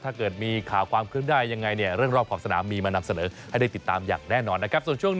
ถ้าเกิดมีข่าวความคืบหน้ายังไงเนี่ยเรื่องรอบขอบสนามมีมานำเสนอให้ได้ติดตามอย่างแน่นอนนะครับ